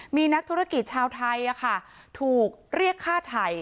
มีนักธุรกิจชาวไทยถูกเรียกฆ่าไทย